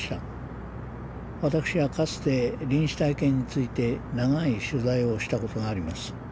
私はかつて臨死体験について長い取材をした事があります。